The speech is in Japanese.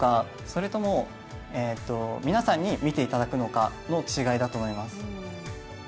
それとも皆さんに見ていただくのかの違いだと思います。